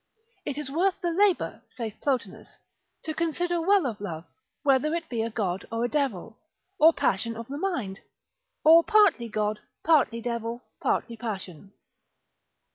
It is worth the labour, saith Plotinus, to consider well of love, whether it be a god or a devil, or passion of the mind, or partly god, partly devil, partly passion.